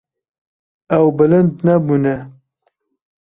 Ew bilind nebûne.